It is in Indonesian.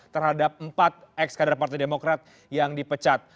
terhadap empat ex kader partai demokrat yang dipecat